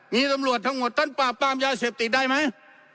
มีตำรวจทั้งหมดท่านปราบปรามยาเสพติดได้ไหม